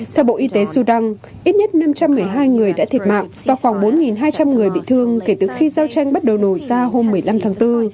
theo bộ y tế sudan ít nhất năm trăm một mươi hai người đã thiệt mạng và khoảng bốn hai trăm linh người bị thương kể từ khi giao tranh bắt đầu nổ ra hôm một mươi năm tháng bốn